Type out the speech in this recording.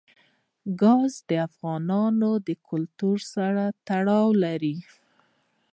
ګاز د افغان کلتور سره تړاو لري.